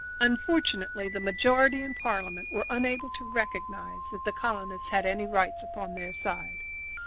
Unfortunately the majority in Parliament were unable to recognize that the colonists had any rights upon their side.